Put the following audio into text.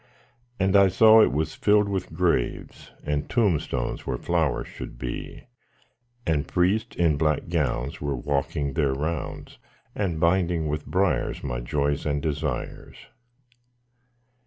And I saw it was filled with graves, And tombstones where flowers should be; And priests in black gowns were walking their rounds, And binding with briars my joys and desires.